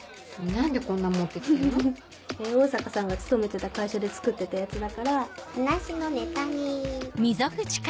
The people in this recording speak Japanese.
何でこんなの持って来てんの？坂さんが勤めてた会社で作ってたやつだから話のネタに。